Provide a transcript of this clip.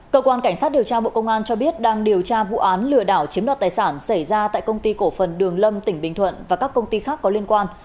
cơ quan cảnh sát điều tra bộ công an cho biết đang điều tra vụ án lừa đảo chiếm đoạt tài sản xảy ra tại công ty cổ phần đường lâm tỉnh bình thuận và các công ty khác có liên quan